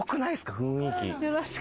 雰囲気。